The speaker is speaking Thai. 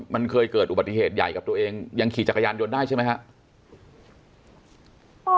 มันเคยเกิดอุบัติเหตุใหญ่กับตัวเองยังขี่จักรยานยนต์ได้ใช่ไหมครับ